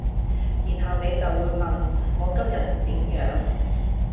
然後你就會問我今日點樣